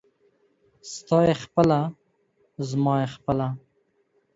ستا يې خپله ، زما يې خپله.